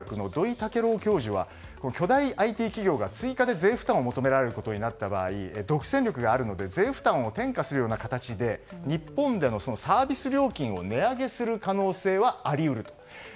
デジタル課税に詳しい慶應義塾大学の土居丈朗教授は巨大ＩＴ企業が追加で税負担を求められることになった場合独占力があるので税負担を転嫁するような形で日本でのサービス料金を値上げする可能性はあり得る。